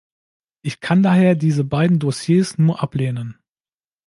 Ich kann daher diese beiden Dossiers nur ablehnen.